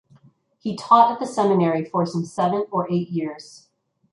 He taught at the seminary for some seven or eight years.